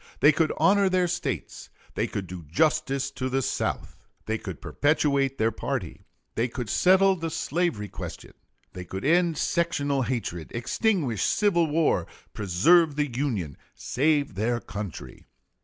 They could honor their States. They could do justice to the South. They could perpetuate their party. They could settle the slavery question. They could end sectional hatred, extinguish civil war, preserve the Union, save their country.